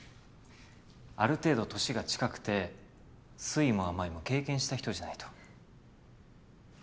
ある程度年が近くて酸いも甘いも経験した人じゃないと。